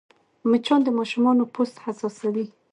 مچان د ماشومانو پوست حساسوې